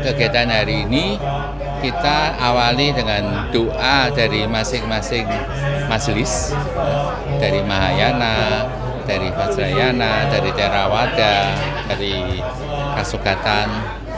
kegiatan hari ini kita awali dengan doa dari masing masing majelis dari mahayana dari fajrayana dari terawada dari kasugatan